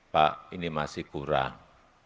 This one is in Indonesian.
pak ini masih kurang